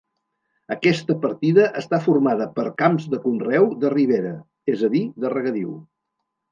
Aquesta partida està formada per camps de conreu de ribera, és a dir, de regadiu.